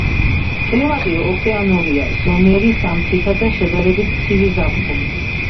კლიმატი ოკეანურია, ზომიერი ზამთრითა და შედარებით ცივი ზაფხულით.